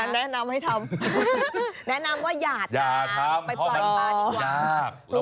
แนะนำให้ทำแนะนำว่าอย่าทำไปปล่อยปลาดีกว่า